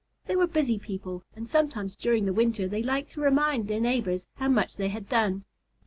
They were busy people; and sometimes during the winter they liked to remind their neighbors how much they had done.